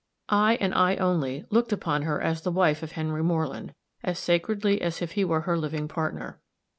I, and I only, looked upon her as the wife of Henry Moreland, as sacredly as if he were her living partner.